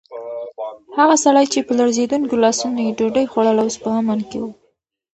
هغه سړی چې په لړزېدونکو لاسونو یې ډوډۍ خوړله، اوس په امن کې و.